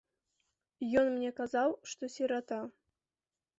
Ён мне казаў, што сірата.